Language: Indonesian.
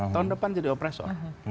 tahun depan jadi opresor